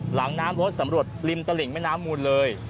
หลังน้ำรถสำรวจริมตลิ่งแม่น้ำมูลเลย